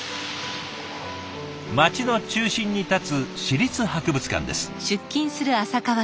町の中心に建つ市立博物館です。